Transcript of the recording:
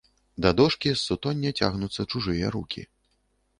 Да дошкі з сутоння цягнуцца чужыя рукі.